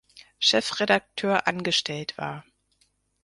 Chefredakteur angestellt war.